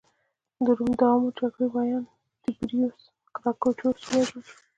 د روم د عوامو جرګې ویاند تیبریوس ګراکچوس ووژل شو